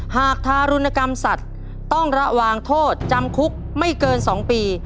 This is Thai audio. หากทารุณกรรมสัตว์ต้องระวังโทษจำคุกไม่เกิน๒ปี